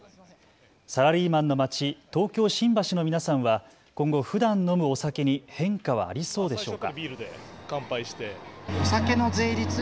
サラリーマンの街、東京新橋の皆さんは今後、ふだん飲むお酒に変化はありそうでしょうか。